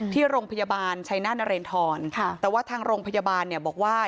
ที่โรงพยาบาลชัยนาธนเรนทรแต่ว่าทางโรงพยาบาลเนี่ยบอกว่า